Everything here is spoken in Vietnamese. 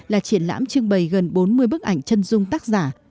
là triển lãm trưng bày gần bốn mươi bức ảnh chân dung tác giả